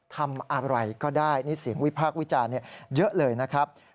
ทำอะไรก็ได้นี่เสียงวิพากษ์วิจารณ์เยอะเลยนะครับ